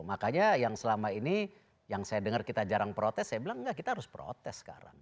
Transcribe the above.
makanya yang selama ini yang saya dengar kita jarang protes saya bilang enggak kita harus protes sekarang